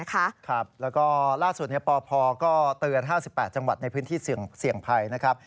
ครับแล้วก็ล่าส่วนในปพก็เตือน๕๘จังหวัดในพื้นที่เสี่ยงไพร